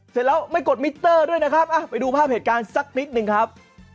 เสร็จแล้วไม่กดมิเตอร์ด้วยนะครับไปดูภาพเหตุการณ์สักนิดหนึ่งครับ